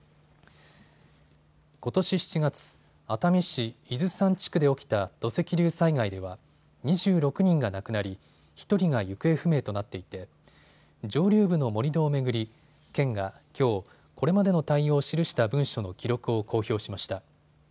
ことし７月、熱海市伊豆山地区で起きた土石流災害では２６人が亡くなり１人が行方不明となっていて上流部の盛り土を巡り、県がきょう、これまでの対応を記した文書の記録を公表しました。